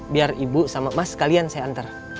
biar ibu sama mas kalian saya antar